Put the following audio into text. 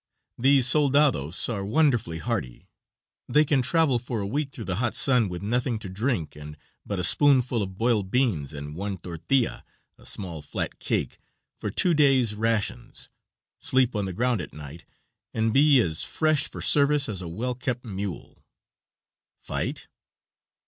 These soldados are wonderfully hardy; they can travel for a week through the hot sun, with nothing to drink and but a spoonful of boiled beans and one tortillia a small flat cake for two days' rations, sleep on the ground at night, and be us fresh for service as a well kept mule. Fight!